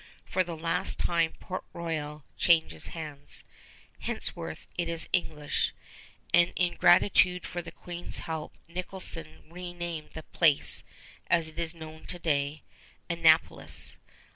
For the last time Port Royal changes hands. Henceforth it is English, and in gratitude for the Queen's help Nicholson renamed the place as it is known to day, Annapolis.